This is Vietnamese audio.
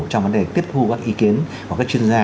trong vấn đề tiếp thu các ý kiến của các chuyên gia